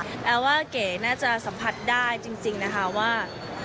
แปลว่าเก๋น่าจะสัมผัสได้จริงนะคะว่า